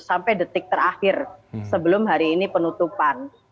sampai detik terakhir sebelum hari ini penutupan